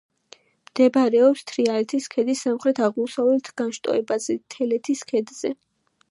მდებარეობს თრიალეთის ქედის სამხრეთ-აღმოსავლეთ განშტოებაზე, თელეთის ქედზე.